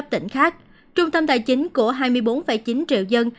trung tâm tài chính của hai mươi bốn chín triệu dân